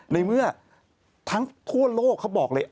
ในเมื่อทั้งทั่วโลกเขาบอกเลย